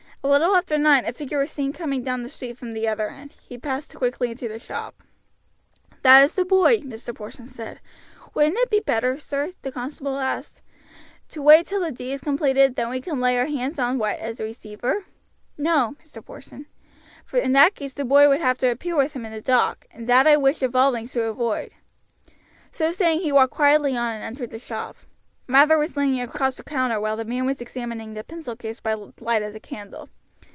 A little after nine a figure was seen coming down the street from the other end. He passed quickly into the shop. "That is the boy," Mr. Porson said. "Wouldn't it be better, sir," the constable asked, "to wait till the deed is completed, then we can lay our hands on White as a receiver?" "No," Mr. Porson replied, "for in that case the boy would have to appear with him in the dock, and that I wish of all things to avoid." So saying he walked quickly on and entered the shop. Mather was leaning across the counter while the man was examining the pencil case by the light of the candle.